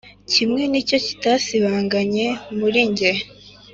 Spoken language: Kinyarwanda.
Kimwe nicyo kitasibanganye muri njye